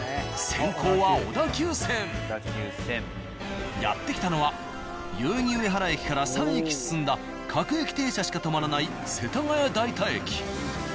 先攻はやって来たのは代々木上原駅から３駅進んだ各駅停車しかとまらない世田谷代田駅。